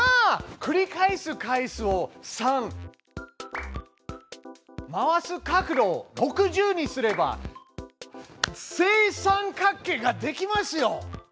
繰り返す回数を「３」回す角度を「６０」にすれば正三角形ができますよ！